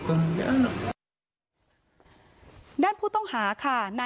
เพราะพ่อเชื่อกับจ้างหักข้าวโพด